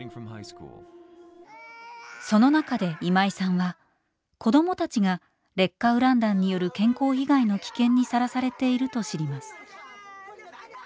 その中で今井さんは子どもたちが「劣化ウラン弾」による健康被害の危険にさらされていると知ります。